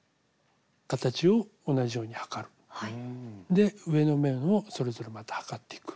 で上の面をそれぞれまた測っていく。